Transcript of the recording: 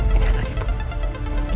ini kan ribu